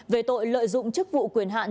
về tội lợi dụng chức vụ quyền hạn